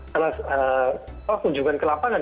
setelah kunjungan ke lapangan